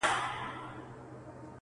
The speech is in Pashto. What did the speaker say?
o بلا له خپلي لمني پورته کېږي!